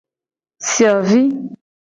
Fiovi.